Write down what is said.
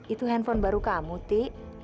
itu handphone baru kamu ti